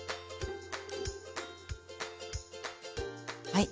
はい。